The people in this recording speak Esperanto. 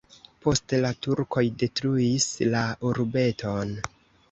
Poste la turkoj detruis la urbeton.